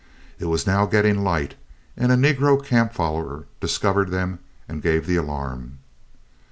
It was now getting light, and a negro camp follower discovered them and gave the alarm.